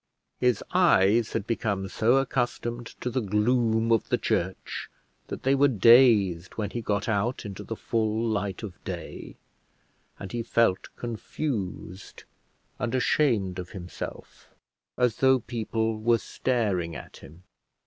His eyes had become so accustomed to the gloom of the church, that they were dazed when he got out into the full light of day, and he felt confused and ashamed of himself, as though people were staring at him.